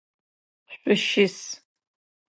Шъущыс!